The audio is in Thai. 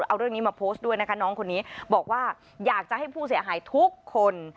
เอาเรื่องนี้มาโพสต์ด้วยนะคะน้องคนนี้บอกว่าอยากจะให้ผู้เสียหายทุกคน